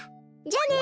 じゃあね。